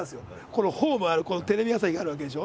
このホームテレビ朝日があるわけでしょ。